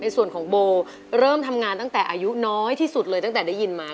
ส่วนของโบเริ่มทำงานตั้งแต่อายุน้อยที่สุดเลยตั้งแต่ได้ยินมา